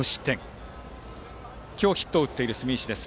バッターは今日ヒットを打っている住石です。